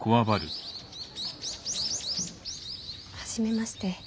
初めまして。